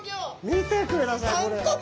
見てください。